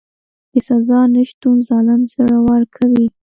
د سزا نشتون ظالم زړور کوي.